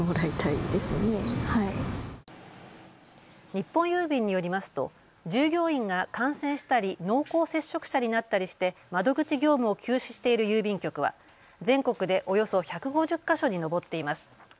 日本郵便によりますと従業員が感染したり濃厚接触者になったりして窓口業務を休止している郵便局は全国でおよそ１５０か所に上っています。